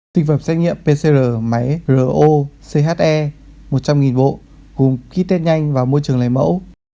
sinh phẩm xét nghiệm pcr máy ro che một trăm linh bộ cùng ký test nhanh và môi trường lấy mẫu